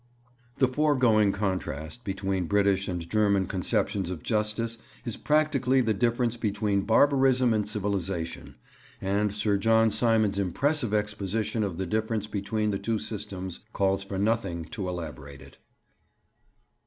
The foregoing contrast between British and German conceptions of justice is practically the difference between barbarism and civilization; and Sir John Simon's impressive exposition of the difference between the two systems calls for nothing to elaborate it.